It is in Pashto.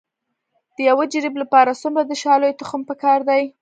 د یو جریب لپاره څومره د شالیو تخم پکار دی؟